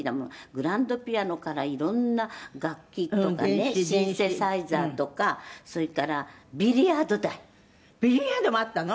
グランドピアノからいろんな楽器とかねシンセサイザーとかそれからビリヤード台」「ビリヤードもあったの？」